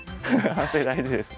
反省大事ですね。